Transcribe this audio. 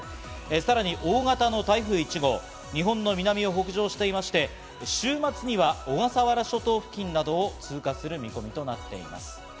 さらに大型の台風１号、日本の南を北上していまして、週末には小笠原諸島付近などを通過する見込みとなっています。